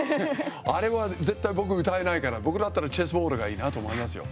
あれは絶対、僕歌えないから僕だったら「Ｃｈｅｓｓｂｏａｒｄ」がいいなと思いますよ。